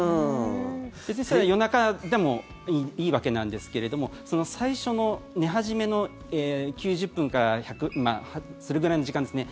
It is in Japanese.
別にそれは夜中でもいいわけなんですけども最初の寝始めの９０分からそれくらいの時間ですね。